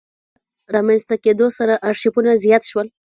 د خط له رامنځته کېدو سره ارشیفونه زیات شول.